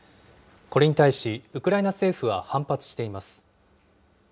これに対し、ウクライナ政府は反発しています。